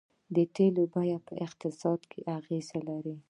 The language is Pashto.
د تیلو بیه په اقتصاد اغیز لري.